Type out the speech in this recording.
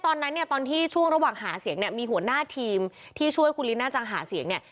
ตอนนั้นเนี่ยตอนที่ช่วงระหว่างหาเสียงเนี่ยมีหัวหน้าทีมที่ช่วยคุณลิน่าจังหาเสียงเนี่ย